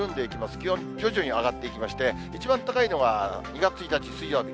気温徐々に上がっていきまして、一番高いのは、２月１日水曜日。